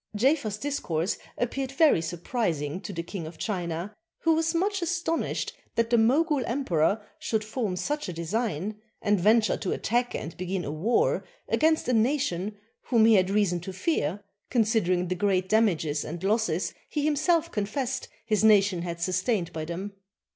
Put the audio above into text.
Jafer's discourse appeared very surprising to the King of China, who was much astonished that the Mogul Emperor should form such a design, and venture to attack and begin a war against a nation whom he had reason to fear, considering the great damages and losses he himself confessed his nation had sustained by them.